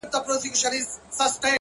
• شپې دي روڼي ورځي تیري په ژړا سي,